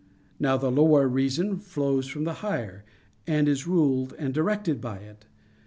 Now, the lower reason flows from the higher, and is ruled and directed by it.